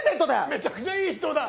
めちゃくちゃいい人だ！